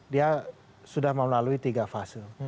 dia sudah melalui tiga fase